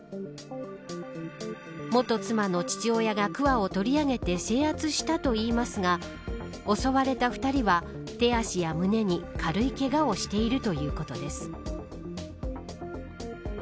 元妻の父親がくわを取り上げて制圧したといいますが襲われた２人は手足や胸に軽いけがをしているということです。